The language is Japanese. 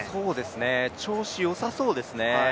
調子よさそうですね。